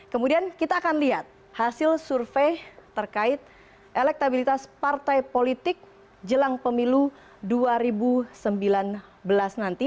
kemudian kita akan lihat hasil survei terkait elektabilitas partai politik jelang pemilu dua ribu sembilan belas nanti